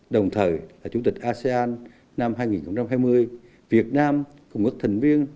đồng thời là chủ tịch asean năm hai nghìn hai mươi việt nam cùng các thành viên